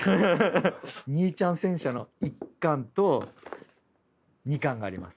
「にいちゃん戦車」の１巻と２巻があります。